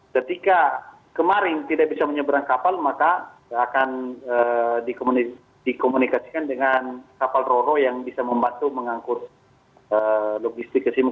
ketika kemarin tidak bisa menyeberang kapal maka akan dikomunikasikan dengan kapal ro ro yang bisa membantu mengangkul logistik di simu